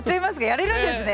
やれるんですね。